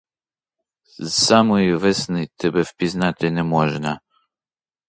З самої весни тебе впізнати не можна.